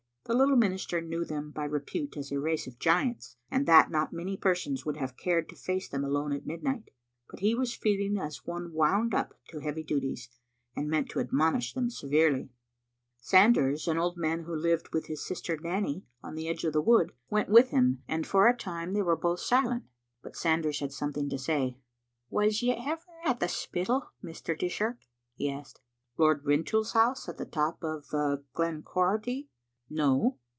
The little minister knew them by repute as a race of giants, and that not many persons would have cared to face them alone at midnight; but he was feeling as one wound up to heavy duties, and meant to admonish them severely. Sanders, an old man who lived with his sister Nanny on the edge of the wood, went with him, and for a Digitized by VjOOQ IC 86 TTbe imie OsiniBtct. time both were silent. But Sanders had something to say. "WasyoueverattheSpittal, Mr. Dishart?" he asked. " Lord Rintoul's house at the top of Glen Quharity? No."